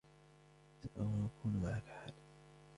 سأكون معك حالًا.